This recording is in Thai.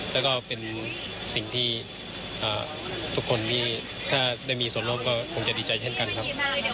แล้วก็เป็นสิ่งที่ทุกคนที่ถ้าได้มีส่วนร่วมก็คงจะดีใจเช่นกันครับ